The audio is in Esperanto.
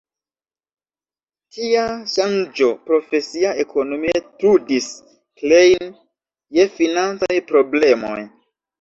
Tia ŝanĝo profesia ekonomie trudis Klein je financaj problemoj.